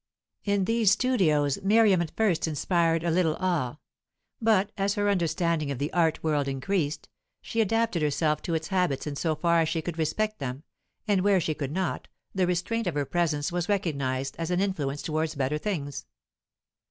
In these studios Miriam at first inspired a little awe; but as her understanding of the art world increased, she adapted herself to its habits in so far as she could respect them, and where she could not, the restraint of her presence was recognized as an influence towards better things.